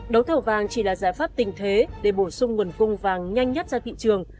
đấu thầu vàng chỉ là giải pháp tình thế để bổ sung nguồn cung vàng nhanh nhất ra thị trường